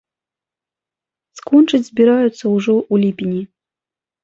Скончыць збіраюцца ўжо ў ліпені!